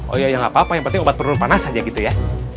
oh ya nggak apa apa yang penting obat perut panas aja gitu ya